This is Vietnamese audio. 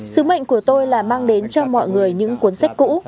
sứ mệnh của tôi là mang đến cho mọi người những cuốn sách cũ